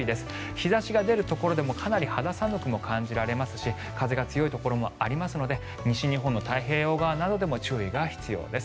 日差しが出るところでもかなり肌寒くも感じられますし風が強いところもありますので西日本の太平洋側などでも注意が必要です。